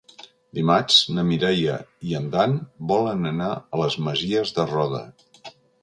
Dimarts na Mireia i en Dan volen anar a les Masies de Roda.